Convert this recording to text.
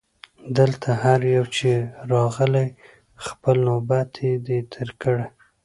دلته هر یو چي راغلی خپل نوبت یې دی تېر کړی